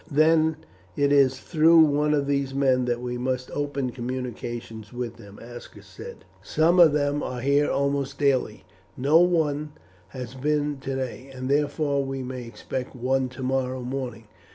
"Then it is through one of these men that we must open communications with them," Aska said. "Some of them are here almost daily. No one has been today, and therefore we may expect one tomorrow morning.